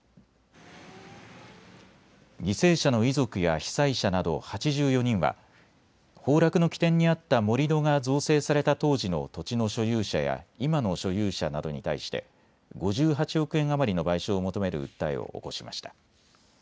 犠牲者の遺族や被災者など８４人は崩落の起点にあった盛り土が造成された当時の土地の所有者や今の所有者などに対して５８億円余りの賠償を求める訴えを起こしました。